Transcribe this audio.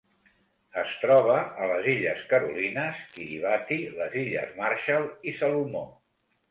Es troba a les Illes Carolines, Kiribati, les Illes Marshall i Salomó.